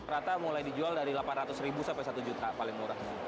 rata mulai dijual dari delapan ratus ribu sampai satu juta paling murah